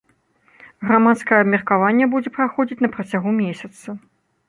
Грамадскае абмеркаванне будзе праходзіць на працягу месяца.